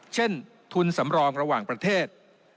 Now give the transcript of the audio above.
เช่นทุนสำรองระหว่างประเทศ